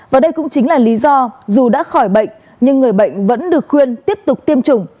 và đây cũng chính là lý do dù đã khỏi bệnh nhưng người bệnh vẫn được khuyên tiếp tục tiêm chủng